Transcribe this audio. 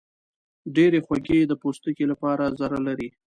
ډېرې خوږې د پوستکي لپاره ضرر لري.